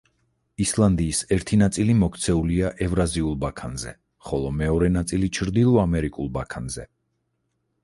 ისლანდიის ერთი ნაწილი მოქცეულია ევრაზიულ ბაქანზე, ხოლო მეორე ნაწილი ჩრდილო ამერიკულ ბაქანზე.